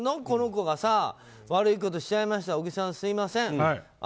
この子が悪いことしちゃいました小木さん、すみません。